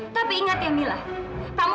ya udah mama nggak akan marah lagi sama mila